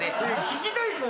「聞きたいか？